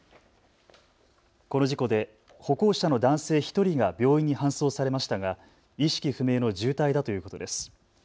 この事故で歩行者の男性１人が病院に搬送されましたが意識不明の重体だということです。